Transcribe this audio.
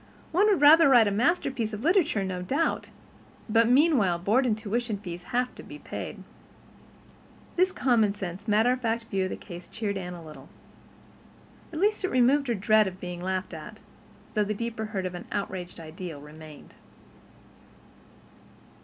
One would rather write masterpieces of literature no doubt—but meanwhile board and tuition fees have to be paid." This commonsense, matter of fact view of the case cheered Anne a little. At least it removed her dread of being laughed at, though the deeper hurt of an outraged ideal remained.